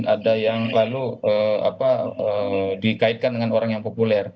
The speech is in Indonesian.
ada yang lalu dikaitkan dengan orang yang populer